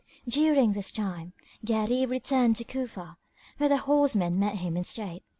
During this time Gharib returned to Cufa, where the horsemen met him in state.